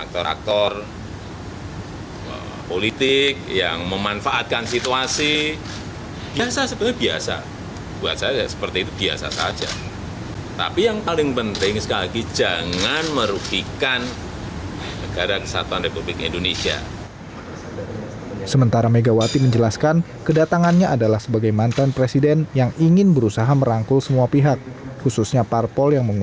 jokowi menemui presiden jokowi di istana merdeka pada senin siang